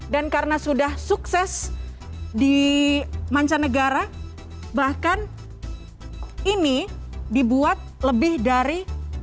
dan karena sudah sukses di mancanegara bahkan ini dibuat lebih dari tujuh ribu